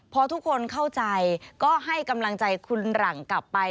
พอทุกคนเข้าใจก็ให้กำลังใจคุณหลังกลับไป